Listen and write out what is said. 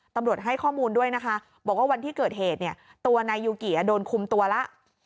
ตำรวจให้ข้อมูลด้วยนะคะบอกว่าวันที่เกิดเหตุเนี่ยตัวนายยูเกียโดนคุมตัวแล้ว